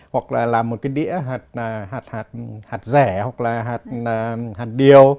hoặc là làm một cái đĩa hạt rẻ hoặc là hạt điều